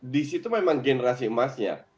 di situ memang generasi emasnya